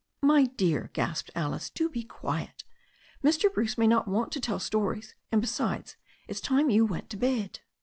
"My dear," gasped Alice, "do be quiet. Mr. Bruce may not want to tell stories. And, besides, it's time you went to bed."